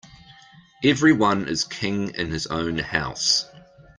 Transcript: Every one is king in his own house.